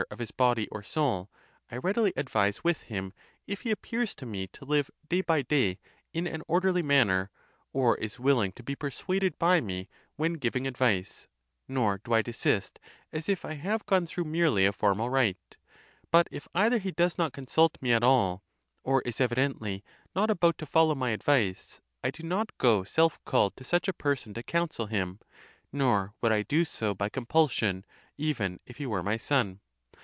of his body or soul, I readily advise with him, if he appears to me to live day by day in an orderly manner, or is willing to be per suaded by me when giving advice, nor do I desist, as if I have gone through merely a formal rite. But if either he does not consult me at all, or is evidently not about to follow my advice, I do not go self called to such a person to counsel him, nor would I do so by compulsion, even if he were my son.